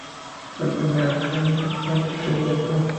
El primer alcalde franquista electo".